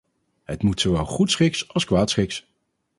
Het moet zowel goedschiks als kwaadschiks.